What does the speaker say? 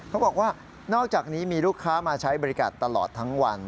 นอกจากนี้มีลูกค้ามาใช้บริการตลอดทั้งวัน